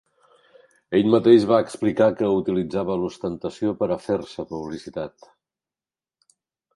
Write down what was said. Ell mateix va explicar que utilitzava l’ostentació per a fer-se publicitat.